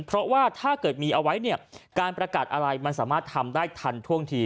เพราะว่าถ้าเกิดมีเอาไว้เนี่ยการประกาศอะไรมันสามารถทำได้ทันท่วงที